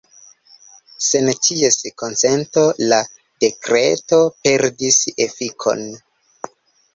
Sen ties konsento la dekreto perdis efikon.